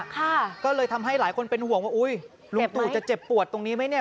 ค่ะก็เลยทำให้หลายคนเป็นห่วงว่าอุ้ยลุงตู่จะเจ็บปวดตรงนี้ไหมเนี่ย